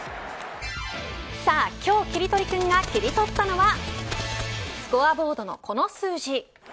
さあ、今日キリトリくんが切り取ったのはスコアボードのこの数字。